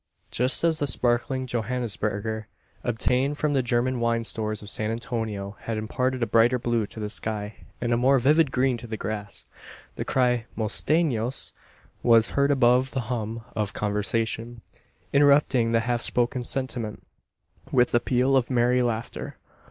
Just as the sparkling Johannisberger obtained from the German wine stores of San Antonio had imparted a brighter blue to the sky, and a more vivid green to the grass, the cry "Mustenos!" was heard above the hum of conversation, interrupting the half spoken sentiment, with the peal of merry laughter.